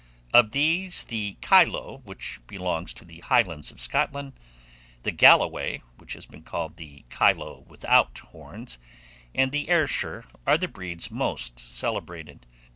Of these the Kyloe, which belongs to the Highlands of Scotland; the Galloway, which has been called the Kyloe without horns; and the Ayrshire, are the breeds most celebrated.